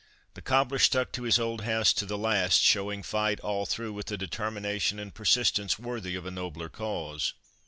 The cobbler stuck to his old house to the last, showing fight all through, with a determination and persistence worthy of a nobler cause.